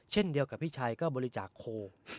เช่นเดียวกับพี่ชัยก็บริจาคโค